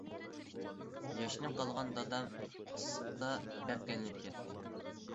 ياشىنىپ قالغان دادام ئىسسىقتا بەك قىينىلىپ كەتتى.